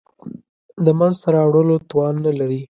د منځته راوړلو توان نه لري.